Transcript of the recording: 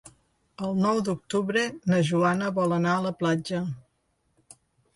El nou d'octubre na Joana vol anar a la platja.